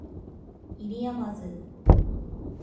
不入斗